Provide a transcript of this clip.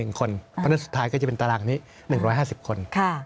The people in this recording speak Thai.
เพราะฉะนั้นสุดท้ายก็จะเป็นตารางนี้๑๕๐คน